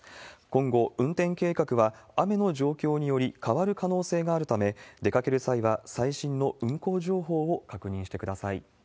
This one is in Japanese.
今後、運転計画は雨の状況により変わる可能性もあるため、出かける際は最新の運行情報を確認してください。